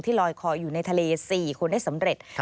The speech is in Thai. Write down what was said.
ลอยคออยู่ในทะเล๔คนได้สำเร็จ